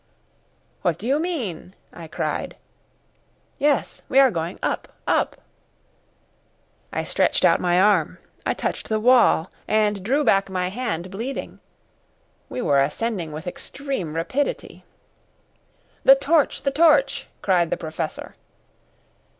"What do you mean?" I cried. "Yes, we are going up up!" I stretched out my arm. I touched the wall, and drew back my hand bleeding. We were ascending with extreme rapidity. "The torch! The torch!" cried the Professor.